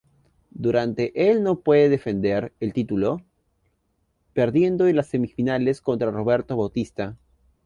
Durante el no puede defender el título, perdiendo en las semifinales contra Roberto Bautista.